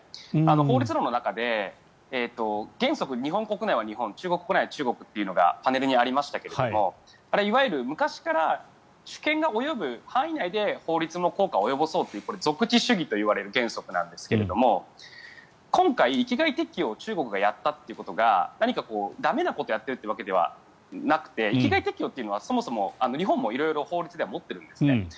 法律論の中で原則、日本国内は日本中国国内は中国というのがパネルにありましたがあれ、いわゆる昔から主権が及ぶ範囲内で法律の効果を及ぼそうというこれ、属地主義といわれる原則なんですが今回、域外適用を中国がやったということが何か駄目なことをやっているわけではなくて域外適用というのはそもそも日本も法律では持っているんですね。